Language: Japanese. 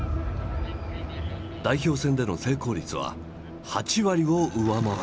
代表戦での成功率は８割を上回る。